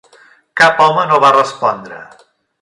Cap home no va respondre.